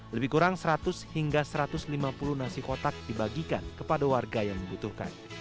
lebih kurang seratus hingga satu ratus lima puluh nasi kotak dibagikan kepada warga yang membutuhkan